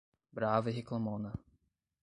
Brava e reclamona